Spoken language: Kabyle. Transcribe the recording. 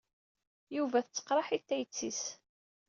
Yuba t tteqṛaḥ-it tayett-is.